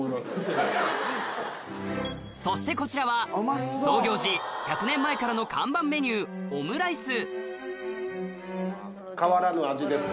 そしてこちらは創業時１００年前からの看板メニュー変わらぬ味ですか。